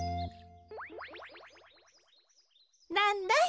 なんだい？